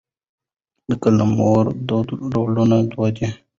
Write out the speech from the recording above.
د قلمرو ډولونه دوه دي.